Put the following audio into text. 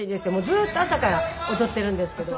ずっと朝から踊ってるんですけど。